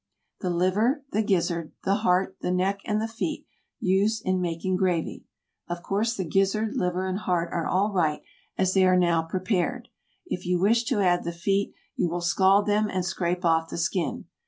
The liver, the gizzard, the heart, the neck and the feet, use in making gravy. Of course the gizzard, liver and heart are all right as they are now prepared. If you wish to add the feet, you will scald them and scrape off the skin.